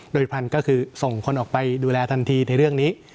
โดยพันธุ์ก็คือส่งคนออกไปดูแลทันทีในเรื่องนี้